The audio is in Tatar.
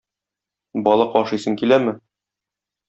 Балык ашыйсың киләме?